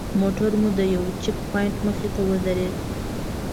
موټر مو د یوه چیک پواینټ مخې ته ودرېد.